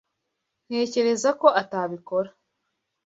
Ntekereza ko atabikora.